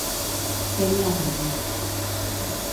Què hi ha per llit?